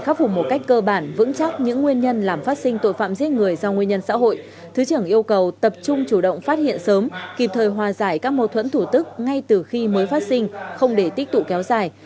khắc phục một cách cơ bản vững chắc những nguyên nhân làm phát sinh tội phạm giết người do nguyên nhân xã hội thứ trưởng yêu cầu tập trung chủ động phát hiện sớm kịp thời hòa giải các mâu thuẫn thủ tức ngay từ khi mới phát sinh không để tích tụ kéo dài